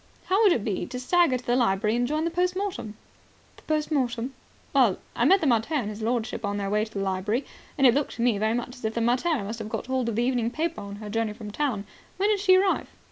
How would it be to stagger to the library and join the post mortem?" "The post mortem?" "Well, I met the mater and his lordship on their way to the library, and it looked to me very much as if the mater must have got hold of an evening paper on her journey from town. When did she arrive?"